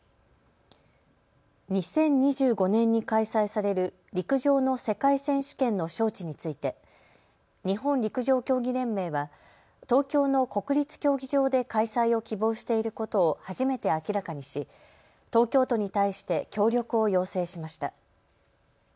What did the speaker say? ２０２５年に開催される陸上の世界選手権の招致について日本陸上競技連盟は東京の国立競技場で開催を希望していることを初めて明らかにし東京都に対して協力を要請しました。